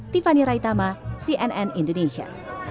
tiffany raitama cnn indonesia